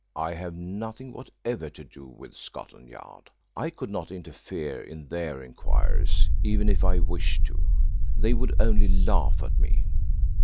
I have nothing whatever to do with Scotland Yard. I could not interfere in their inquiries, even if I wished to. They would only laugh at me."